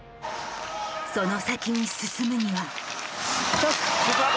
その先に進むには。